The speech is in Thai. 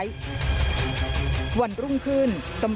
มีความรู้สึกว่า